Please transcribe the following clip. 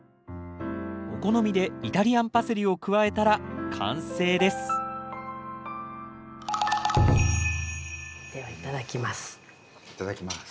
お好みでイタリアンパセリを加えたら完成ですではいただきます。